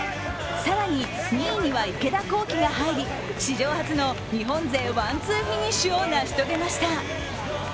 更に２位には池田向希が入り史上初の日本勢ワン・ツーフィニッシュを成し遂げました。